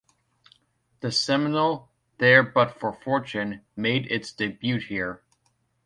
The seminal "There But For Fortune" made its debut here.